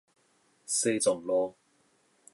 西藏路